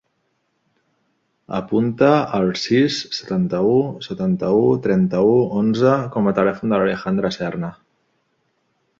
Apunta el sis, setanta-u, setanta-u, trenta-u, onze com a telèfon de l'Alejandra Serna.